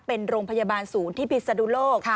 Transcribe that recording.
เป็นโรงพยาบาลศูนย์ที่พิศนุโลก